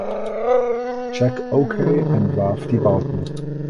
Jack Okey entwarf die Bauten.